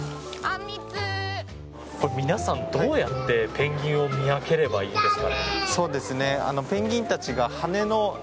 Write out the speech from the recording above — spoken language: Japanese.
皆さん、どうやってペンギンを見分ければいいんですか？